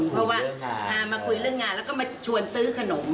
เพราะว่ามาคุยเรื่องงานแล้วก็มาชวนซื้อขนม